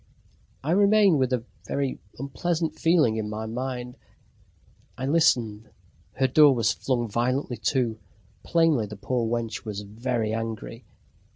I remained with a very unpleasant feeling in my mind. I listened. Her door was flung violently to plainly the poor wench was very angry...